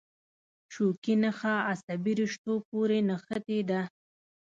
شوکي نخاع عصبي رشتو پورې نښتې ده.